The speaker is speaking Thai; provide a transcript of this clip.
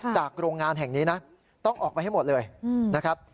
โรงงานแห่งนี้นะต้องออกไปให้หมดเลยนะครับ